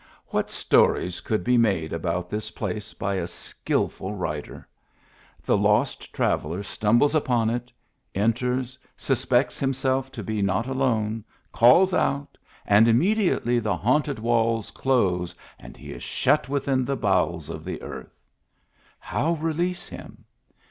What stories could be made about this place by a skilful writer I The lost traveller stumbles upon it, enters, suspects himself to be not alone, calls out, and immediately the haunted walls close and he is shut within the bowels of the earth. How release him?